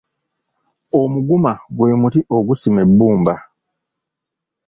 Omuguma gwe muti ogusima ebbumba.